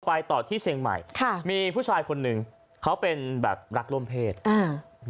ไปต่อที่เชียงใหม่ค่ะมีผู้ชายคนหนึ่งเขาเป็นแบบรักร่วมเพศอ่า